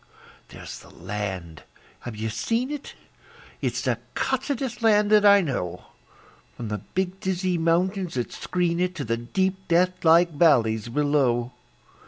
There's the land. (Have you seen it?) It's the cussedest land that I know, From the big, dizzy mountains that screen it To the deep, deathlike valleys below.